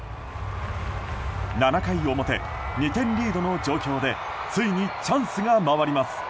７回表、２点リードの状況でついにチャンスが回ります。